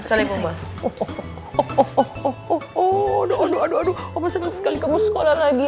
oh aduh aduh aduh oma senang sekali kamu sekolah lagi